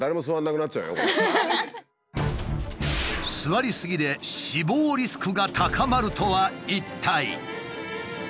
座りすぎで死亡リスクが高まるとは一体。